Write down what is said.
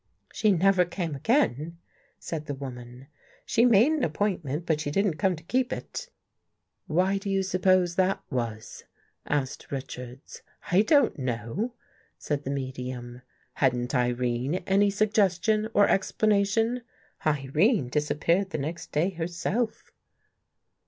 "" She never came again," said the woman. " She made an appointment, but she didn't come to keep it." "Why do you suppose that was?" asked Rich ards. " I don't know," said the medium. "Hadn't Irene any suggestion or explanation?" " Irene disappeared the next day herself."